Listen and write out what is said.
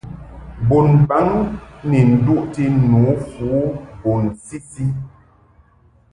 Bunbaŋ ni nduʼti nǔfu bun sisi.